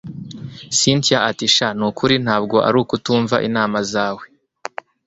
cyntia ati sha nukuri ntabwo ari ukutumva inama zawe